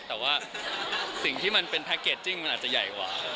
แต่ว่าสิ่งที่มันเป็นแพ็คเกจจิ้งมันอาจจะใหญ่กว่า